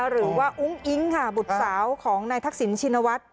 อุ้งอิ๊งค่ะบุตรสาวของนายทักษิณชินวัฒน์